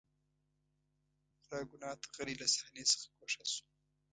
راګونات غلی له صحنې څخه ګوښه شو.